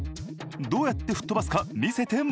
どうやって吹っ飛ばすか見せてもらう。